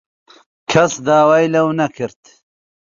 کەس داوای لەو نەکرد.